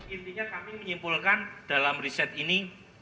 intinya kami menyimpulkan dalam riset ini